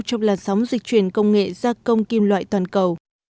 trong làn sóng dịch chuyển công nghệ gia công kim loại toàn cầu